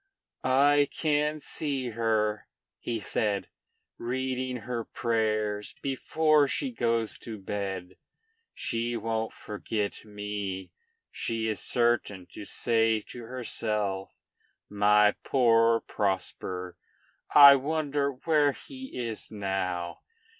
"I can see her," he said, "reading her prayers before she goes to bed. She won't forget me; she is certain to say to herself, 'My poor Prosper; I wonder where he is now!'